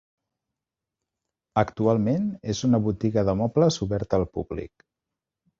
Actualment és una botiga de mobles oberta al públic.